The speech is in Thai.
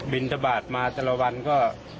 ทบาทมาแต่ละวันก็